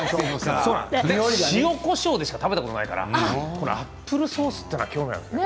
塩、こしょうでしか食べたことがないからアップルソースというのは興味があります。